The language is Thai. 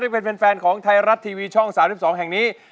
แล้วคุณเป็นเพลงแฟนของไทยรัทีวีช่อง๓๒แห่งนี้